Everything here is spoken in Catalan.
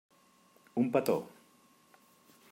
Un petó.